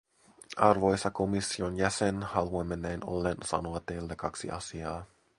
Arvoisa komission jäsen, haluamme näin ollen sanoa teille kaksi asiaa.